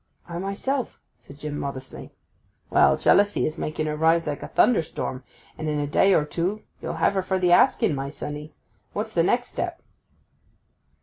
'I myself,' said Jim modestly. 'Well; jealousy is making her rise like a thunderstorm, and in a day or two you'll have her for the asking, my sonny. What's the next step?